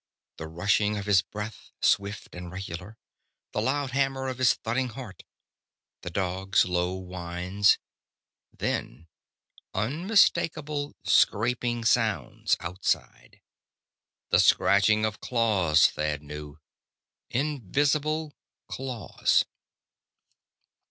The rushing of his breath, swift and regular. The loud hammer of his thudding heart. The dog's low whines. Then unmistakable scraping sounds, outside. The scratching of claws, Thad knew. Invisible claws!